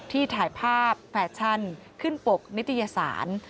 ถ่ายภาพแฟชั่นขึ้นปกนิตยสาร